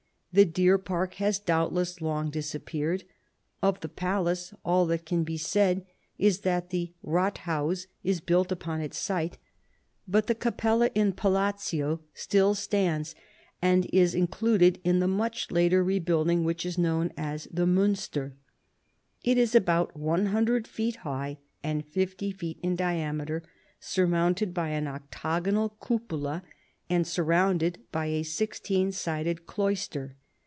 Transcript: The deer park has doubtless long since disappeared : of the palace all that can be said is that the Rathhaus is buiit uj)on its site : but the Capella in Palatio still stands, and is included in the much later building which is known as the Miinster, It is about 100 feet high and 50 feet in diameter, surmounted by an octagonal cupola and surrounded by a sixteen sided cloister.